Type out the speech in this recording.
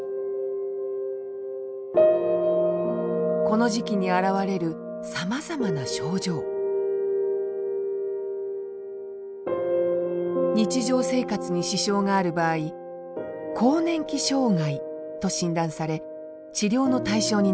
この時期にあらわれるさまざまな症状日常生活に支障がある場合更年期障害と診断され治療の対象になります